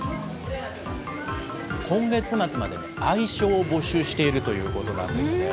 今月末まで、愛称を募集しているということなんですね。